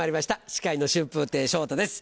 司会の春風亭昇太です